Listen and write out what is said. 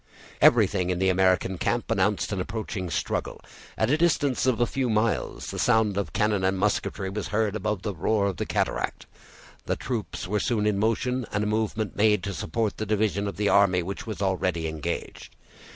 Everything in the American camp announced an approaching struggle. At a distance of a few miles, the sound of cannon and musketry was heard above the roar of the cataract. The troops were soon in motion, and a movement made to support the division of the army which was already engaged.